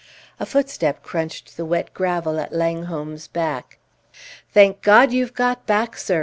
A footstep crunched the wet gravel at Langholm's back. "Thank God you've got back, sir!"